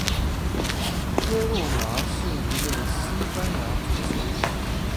哥路拿是一位西班牙足球运动员。